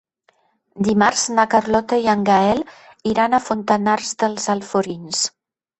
Dimarts na Carlota i en Gaël iran a Fontanars dels Alforins.